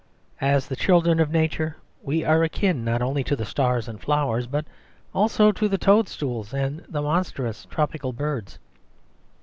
As the children of nature, we are akin not only to the stars and flowers, but also to the toad stools and the monstrous tropical birds.